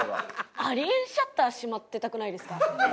ありえんシャッター閉まってたくないですか？